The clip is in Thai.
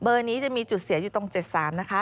นี้จะมีจุดเสียอยู่ตรง๗๓นะคะ